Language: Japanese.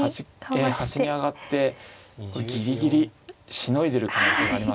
ええ端に上がってこれギリギリしのいでる可能性がありますね。